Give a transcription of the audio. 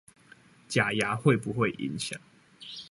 假牙會不會影響